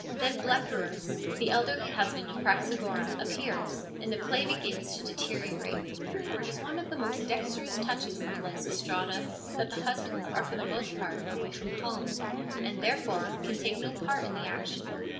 Then Blepyrus, the elderly husband of Praxagora, appears, and the play begins to deteriorate, for it is one of the most dexterous touches in the Lysistrata that the husbands are for the most part away from home, and therefore can take no part in the action.